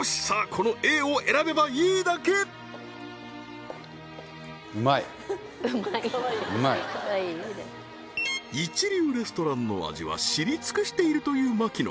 このＡを選べばいいだけ美味い一流レストランの味は知り尽くしているという槙野